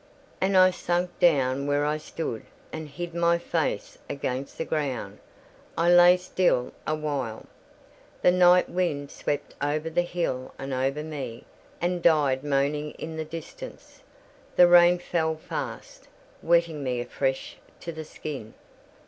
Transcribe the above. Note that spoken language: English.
And I sank down where I stood, and hid my face against the ground. I lay still a while: the night wind swept over the hill and over me, and died moaning in the distance; the rain fell fast, wetting me afresh to the skin.